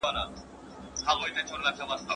بوه ورځ به دي څوک یاد کړي جهاني زخمي نظمونه